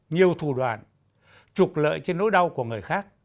nhiều thủ đoạn trục lợi trên nỗi đau của người khác